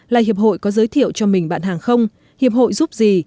là hiệp hội có giới thiệu cho mình bạn hàng không hiệp hội giúp gì